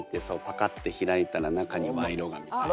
ッて開いたら中に賄賂がみたいな。